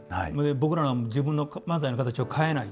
僕らも自分の漫才の形を変えない。